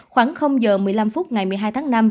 khoảng giờ một mươi năm phút ngày một mươi hai tháng năm